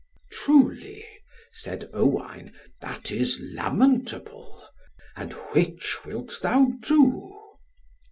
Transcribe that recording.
"Truly," said Owain, "that is lamentable. And which wilt thou do?"